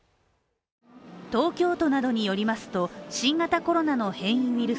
東京都などによりますと、新型コロナの変異ウイル